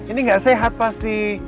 ini gak sehat pasti